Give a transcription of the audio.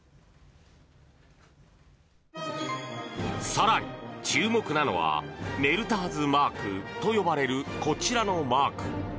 更に注目なのはメルターズマークと呼ばれるこちらのマーク。